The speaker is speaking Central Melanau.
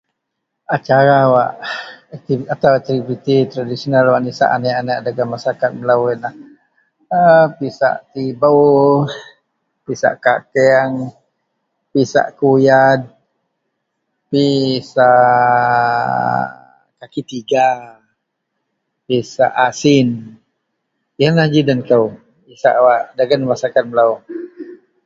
Acara wak atau aktiviti traditional wak nisak aneak -aneak dagen maseraket melou yen lah [a] pisak tibou, pisak kakeang, pisak kuyad, pisak kaki tiga, pisak asin. Yenlah ji den kou isak dagen maseraket melou